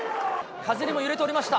風にも揺れておりました。